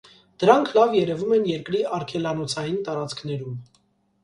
Դրանք լավ երևում են երկրի արգելանոցային տարածքներում։